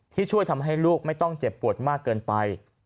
ช่วยทำให้ลูกไม่ต้องเจ็บปวดมากเกินไป